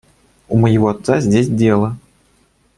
У моего отца здесь дело.